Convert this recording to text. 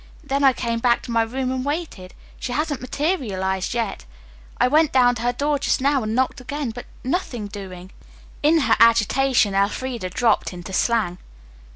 Then I came back to my room and waited. She hasn't materialized yet. I went down to her door just now and knocked again, but, nothing doing." In her agitation Elfreda dropped into slang.